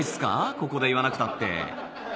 ここで言わなくたって。